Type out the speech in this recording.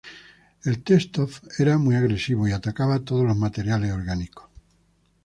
El T-Stoff era muy agresivo y ataca a todos los materiales orgánicos.